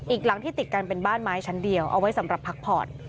อีกหลังที่ติดกันเป็นบ้านไม้ชั้นเดียวเอาไว้สำหรับพักผ่อน